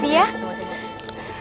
terima kasih ibu